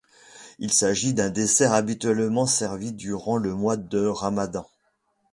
Il s’agit d’un dessert habituellement servi durant le mois de ramadan.